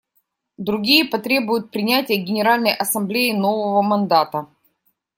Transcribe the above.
Другие потребуют принятия Генеральной Ассамблеей нового мандата.